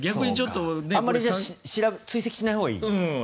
あまり追跡しないほうがいい？